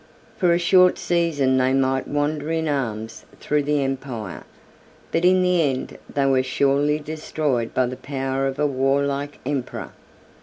For a short season they might wander in arms through the empire; but in the end they were surely destroyed by the power of a warlike emperor.